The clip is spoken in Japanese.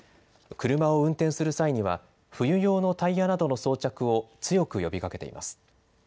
車を運転する際には、冬用のタイヤなどの装着を強く呼びかけています。